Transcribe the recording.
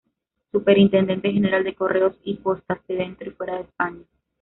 Superintendente general de Correos y Postas de dentro y fuera de España.